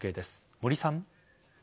森さん。